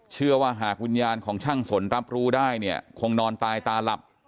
เชื่อว่าหากวิญญาณของช่างสนรับรู้ได้เนี่ยคงนอนตายตาหลับ